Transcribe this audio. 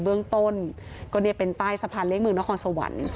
เบื้องต้นก็เนี่ยเป็นใต้สะพานเลี้เมืองนครสวรรค์